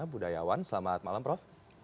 budayawan selamat malam prof